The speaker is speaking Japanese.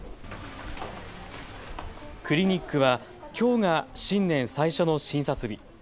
クリニックはきょうが新年最初の診察日。